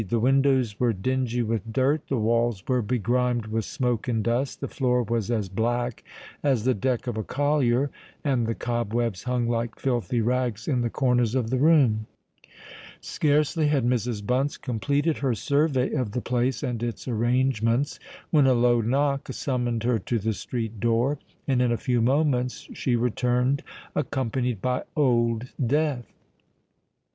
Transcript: The windows were dingy with dirt—the walls were begrimed with smoke and dust—the floor was as black as the deck of a collier—and the cob webs hung like filthy rags in the corners of the room. Scarcely had Mrs. Bunce completed her survey of the place and its arrangements, when a low knock summoned her to the street door; and in a few moments she returned, accompanied by Old Death.